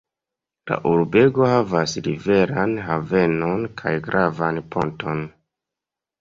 La urbego havas riveran havenon kaj gravan ponton.